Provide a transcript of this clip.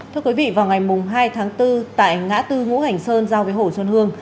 thưa quý vị vào ngày hai tháng bốn tại ngã tư hữu hành sơn giao với hồ xuân hương